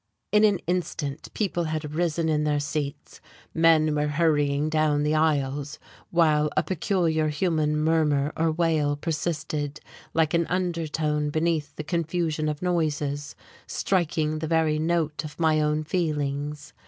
In an instant people had risen in their seats, men were hurrying down the aisles, while a peculiar human murmur or wail persisted like an undertone beneath the confusion of noises, striking the very note of my own feelings.